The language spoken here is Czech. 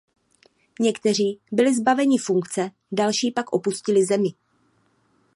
Někteří byli zbaveni funkce, další pak opustili zemi.